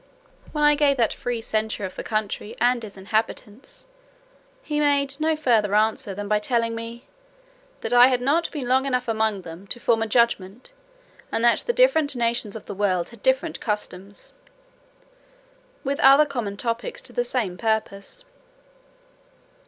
When I gave that free censure of the country and its inhabitants, he made no further answer than by telling me, "that I had not been long enough among them to form a judgment; and that the different nations of the world had different customs;" with other common topics to the same purpose.